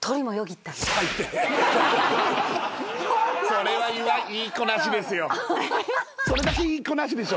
それは言いっこなしですよ。